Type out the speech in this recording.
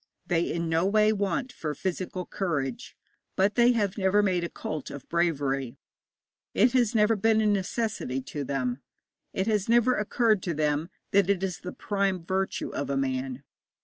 They in no way want for physical courage, but they have never made a cult of bravery; it has never been a necessity to them; it has never occurred to them that it is the prime virtue of a man.